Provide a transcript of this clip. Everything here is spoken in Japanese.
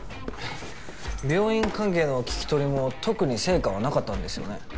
病院関係の聞き取りも特に成果はなかったんですよね？